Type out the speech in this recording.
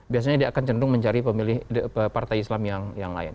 biasanya dia akan cenderung mencari pemilih partai islam yang lain